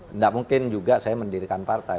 tidak mungkin juga saya mendirikan partai